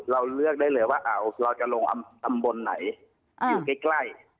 เราเลือกได้เลยว่าเราจะลงตำบลไหนอยู่ใกล้